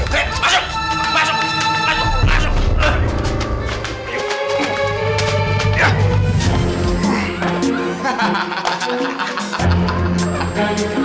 masuk masuk masuk masuk